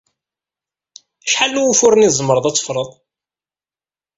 Acḥal n wufuren i tzemreḍ ad teffreḍ?